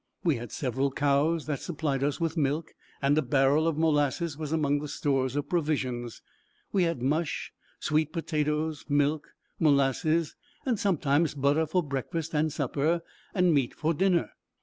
We had several cows that supplied us with milk, and a barrel of molasses was among the stores of provisions. We had mush, sweet potatoes, milk, molasses, and sometimes butter for breakfast and supper, and meat for dinner.